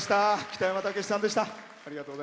北山たけしさんでした。